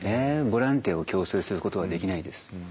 ボランティアを強制することはできないです。